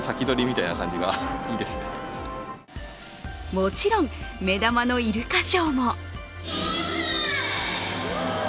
もちろん、目玉のイルカショーも。